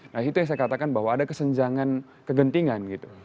nah itu yang saya katakan bahwa ada kesenjangan kegentingan gitu